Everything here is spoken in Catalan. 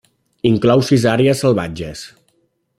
Inclou sis àrees salvatges.